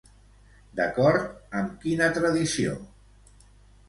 D'acord amb quina tradició?